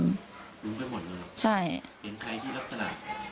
รู้ไปหมดเลยใช่เป็นใครที่ลักษณะ